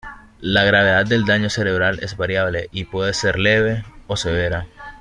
La gravedad del daño cerebral es variable y puede ser leve o severa.